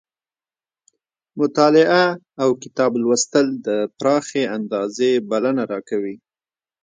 مطالعه اوکتاب لوستل د پراخې اندازې بلنه راکوي.